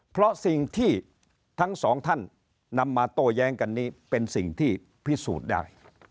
เพราะสิ่งที่ทั้งสองท่านนำมาโต้แย้งกันนี้เป็นสิ่งที่พิสูจน์ได้